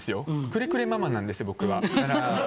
クレクレママなんです、僕は。